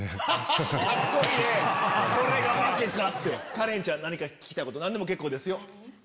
カレンちゃん何か聞きたいこと何でも結構ですよ。